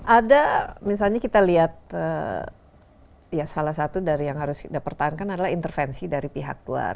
ada misalnya kita lihat salah satu dari yang harus kita pertahankan adalah intervensi dari pihak luar